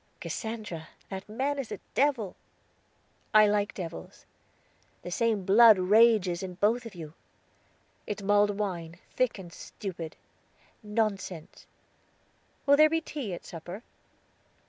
"Cassandra, that man is a devil." "I like devils." "The same blood rages in both of you." "It's mulled wine, thick and stupid." "Nonsense." "Will there be tea, at supper?"